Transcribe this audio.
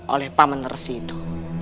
oleh paman nersi itu